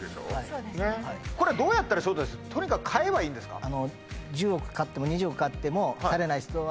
そうですねこれどうやったら招待とにかく買えばいいんですか？